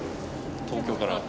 東京から。